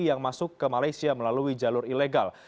yang masuk ke malaysia melalui jalur ilegal